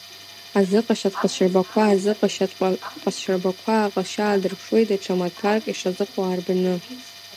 Азыҟашьатә ҟазшьарбақәа азыҟашьатә ҟазшьарбақәа аҟазшьа аадырԥшуеит даҽа маҭәарк ишазыҟоу арбаны.